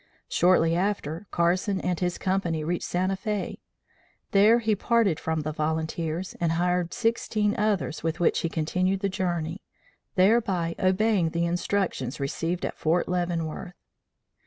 Shortly after, Carson and his company reached Santa Fe. There he parted from the volunteers and hired sixteen others with which he continued the journey, thereby obeying the instructions received at Fort Leavenworth.